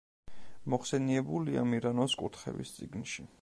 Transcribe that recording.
მოხსენიებულია მირონის კურთხევის წიგნში.